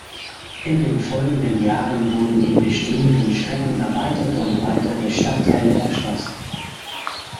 In den folgenden Jahren wurden die bestehenden Strecken erweitert und weitere Stadtteile erschlossen.